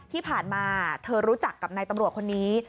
ที่ผ่านมาเธอรู้จักกับนายตำรวจคนนี้